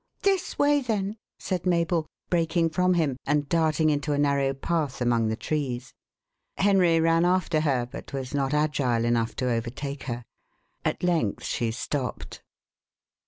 "This way, then!" said Mabel, breaking from him, and darting into a narrow path among the trees. Henry ran after her, but was not agile enough to overtake her. At length she stopped.